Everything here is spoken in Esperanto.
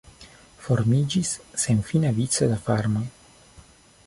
Formiĝis senfina vico da farmoj.